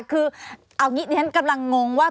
คือเอางี้ดิฉันกำลังงงว่า